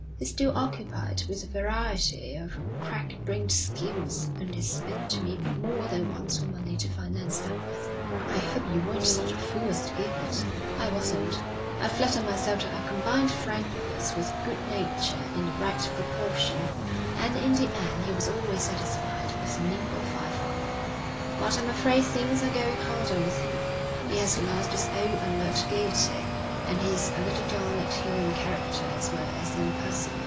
He's still occupied with a variety of crack brained schemes, and he's been to me more than once for money to finance them with.' 'I hope you weren't such a fool as to give it.' 'I wasn't. I flatter myself that I combined frankness with good nature in the right proportion, and in the end he was always satisfied with the nimble fiver. But I'm afraid things are going harder with him. He has lost his old alert gaiety, and he's a little down at heel in character as well as in person.